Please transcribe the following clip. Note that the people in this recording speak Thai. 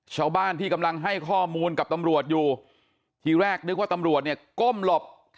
ชาวบ้านที่กำลังให้ข้อมูลกับตำรวจอยู่ทีแรกนึกว่าตำรวจเนี่ยก้มหลบ